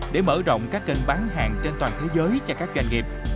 để mở rộng các kênh bán hàng trên toàn thế giới cho các doanh nghiệp